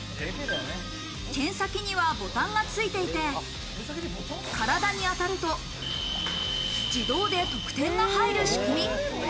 剣先にはボタンがついていて、体に当たると自動で得点が入る仕組み。